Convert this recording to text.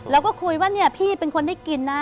แล้วก็คุยว่าเนี่ยพี่เป็นคนได้กินนะ